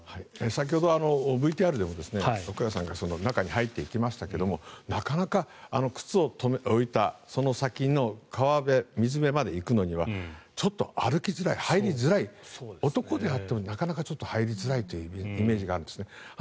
先ほどＶＴＲでも岡安さんが中に入っていきましたがなかなか靴を置いたその先の川辺水辺まで行くのにはちょっと歩きづらい、入りづらい男であってもなかなかちょっと入りづらいというイメージがあるんですね。